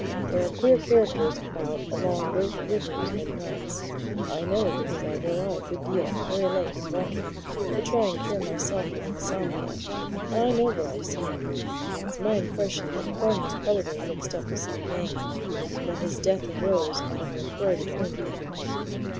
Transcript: There are queer characters about along both rivers at nights I know, because I go out a good deal, very late, walking, to try and cure myself of insomnia; and I know what I've seen. It's my impression that Crone was probably mixed up with some gang, and that his death arose out of an affray between them."